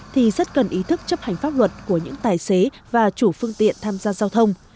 thì rất cần ý thức chấp hành pháp luật của những tài xế và chủ phương tiện tham gia giao thông